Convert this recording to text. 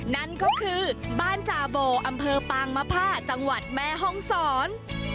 นั่นก็คือบ้านจาโบอำเภอปางมภาจังหวัดแม่ห้องศร